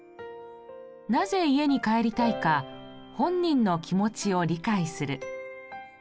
なぜ家に帰りたいか本人の気持ちを理解する。